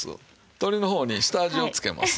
鶏の方に下味をつけます。